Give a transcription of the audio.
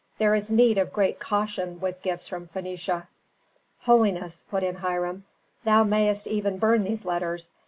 There is need of great caution with gifts from Phœnicia." "Holiness," put in Hiram, "thou mayst even burn these letters.